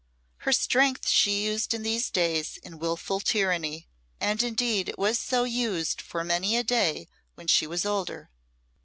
Her strength she used in these days in wilful tyranny, and indeed it was so used for many a day when she was older.